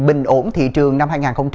bình ổn thị trường năm hai nghìn hai mươi